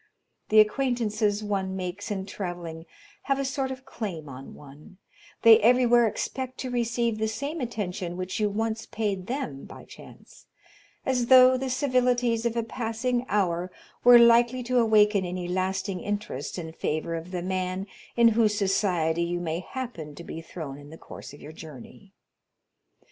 The acquaintances one makes in travelling have a sort of claim on one; they everywhere expect to receive the same attention which you once paid them by chance, as though the civilities of a passing hour were likely to awaken any lasting interest in favor of the man in whose society you may happen to be thrown in the course of your journey.